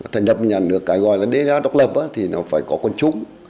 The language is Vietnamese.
thành đập nhận được cái gọi là đế gá độc lập thì nó phải có quân chúng